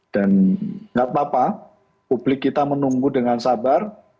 dan tidak apa apa publik kita menunggu dengan sabar